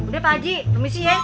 udah pak haji permisi ya